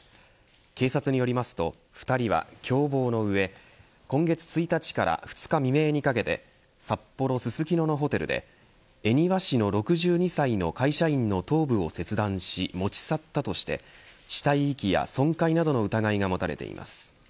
警察によりますと２人は、共謀の上今月１日から２日未明にかけて札幌、ススキノのホテルで恵庭市の６２歳の会社員の頭部を切断し持ち去ったとして死体遺棄や損壊などの疑いが持たれています。